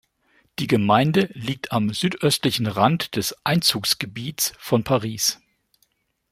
Die Gemeinde liegt am südöstlichen Rand des Einzugsgebiets von Paris.